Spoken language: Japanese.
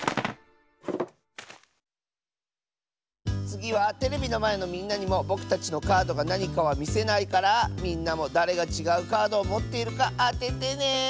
つぎはテレビのまえのみんなにもぼくたちのカードがなにかはみせないからみんなもだれがちがうカードをもっているかあててね！